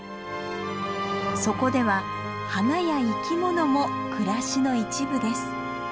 そこでは花や生き物も暮らしの一部です。